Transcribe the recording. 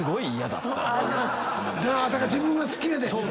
だから自分が好きやねん。